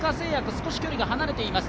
少し距離が離れています。